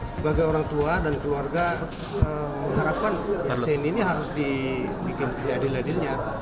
sebagai orang tua dan keluarga harapkan shane ini harus dibikin adil adilnya